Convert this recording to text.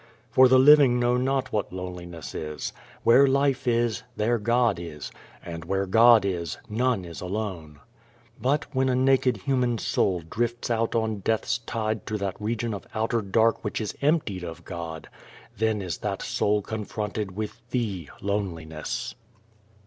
For the living know not what loneliness is. Where life is, there God is, and where God is, none is alone. But when a naked human soul drifts out on death's tide to that region of outer dark which is emptied of God, then is that soul confronted with the Loneliness.